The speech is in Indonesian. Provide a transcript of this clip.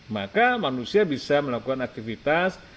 maka manusia bisa melakukan aktivitas